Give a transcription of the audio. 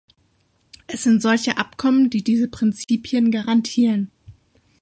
Es sind solche Abkommen, die diese Prinzipien garantieren.